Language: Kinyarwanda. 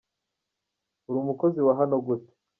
Uri umukozi wa hano gute?